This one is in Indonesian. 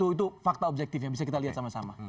sepuluh itu fakta objektif yang bisa kita lihat sama sama